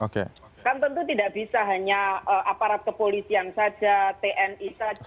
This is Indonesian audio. kan tentu tidak bisa hanya aparat kepolisian saja tni saja